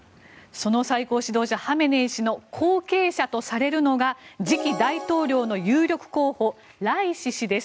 その最高指導者ハメネイ師の後継者とされるのが次期大統領の有力候補ライシ師です。